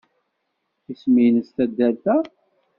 Isem-nnes taddart-a?